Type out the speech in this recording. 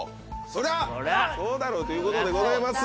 そりゃそうだろうということでございます。